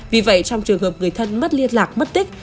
vì vậy trong trường hợp người thân mất liên lạc mất tích